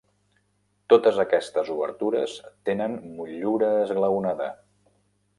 Totes aquestes obertures tenen motllura esglaonada.